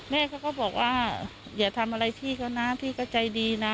แม่เขาก็บอกว่าอย่าทำอะไรพี่เขานะพี่ก็ใจดีนะ